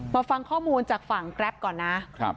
ฟังข้อมูลจากฝั่งแกรปก่อนนะ